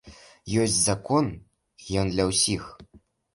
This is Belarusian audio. Ёсць закон, і ён для ўсіх.